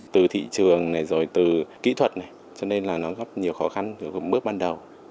từ thị trường này rồi từ kỹ thuật này cho nên là nó góp nhiều khó khăn từ bước ban đầu